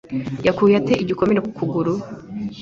yakuye ate igikomere ku kuguru?